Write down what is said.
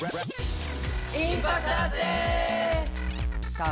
さあ